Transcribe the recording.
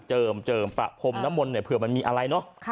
เจิมปะพมน้ำมนเผื่อมันมีอะไรเนาะ